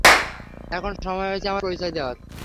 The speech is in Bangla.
এখন সময় হয়েছে আমার পরিচয় দেওয়ার।